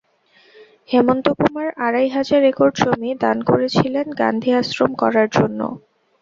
হেমন্তকুমার আড়াই হাজার একর জমি দান করেছিলেন গান্ধী আশ্রম করার জন্য।